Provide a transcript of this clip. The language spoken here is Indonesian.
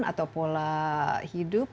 atau pola hidup